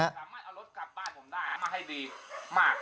เอารถกลับบ้านผมได้มาให้ดีมาก